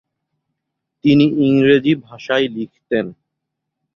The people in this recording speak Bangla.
তিনি ইংরেজি ভাষায় লিখতেন।